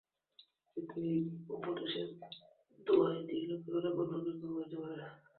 কিন্তু এই উপদেশের দোহাই দিয়া লোকে অনেক অদ্ভুত ব্যাপার করিতে পারে।